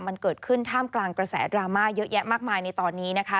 มันเกิดขึ้นท่ามกลางกระแสดราม่าเยอะแยะมากมายในตอนนี้นะคะ